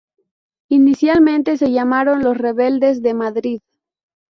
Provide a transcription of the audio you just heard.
Inicialmente se llamaron Los Rebeldes de Madrid.